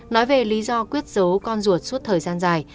nói về lý do quyết giấu con ruột suốt thời gian dài